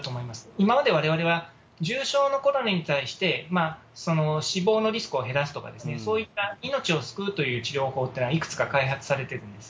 今までわれわれは、重症のコロナに対して死亡のリスクを減らすとか、そういった命を救うという治療法っていうのは、いくつか開発されてるんです。